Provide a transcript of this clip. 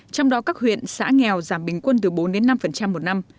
trong đó các huyện xã nghèo giảm bình quân từ bốn đến năm một năm